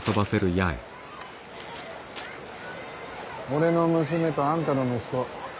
俺の娘とあんたの息子